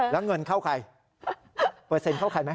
แล้วเงินเข้าใครเปอร์เซ็นต์เข้าใครไหม